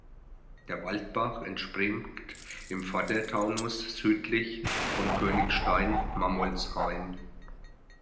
Der Waldbach entspringt im Vordertaunus südlich von Königstein-Mammolshain.